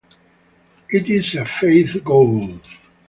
It is a faith goal.